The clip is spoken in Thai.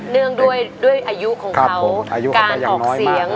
เนื่องด้วยอายุของเค้าการเผาเสียง